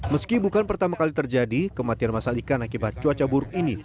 meski bukan pertama kali terjadi kematian masal ikan akibat cuaca buruk ini